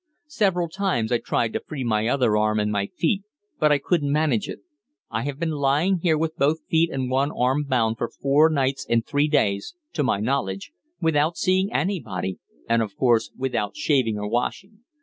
Several times I tried to free my other arm, and my feet, but I couldn't manage it. I have been lying here with both feet and one arm bound for four nights and three days, to my knowledge, without seeing anybody, and, of course, without shaving or washing.